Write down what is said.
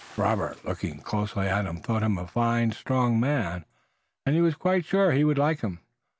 Robert, looking closely at him, thought him a fine, strong man, and he was quite sure he would like him.